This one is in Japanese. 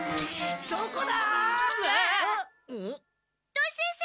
土井先生